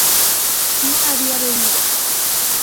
¿no había bebido?